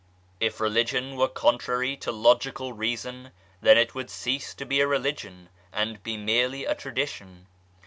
If Religion were contrary to logical Reason then it would cease to be a Religion and be merely a tradition.